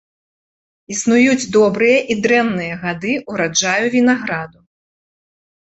Існуюць добрыя і дрэнныя гады ўраджаю вінаграду.